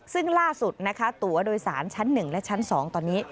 ซึ่งล่าสุดนะคะตัวโดยสารชั้น๑และชั้น๒ตอนนี้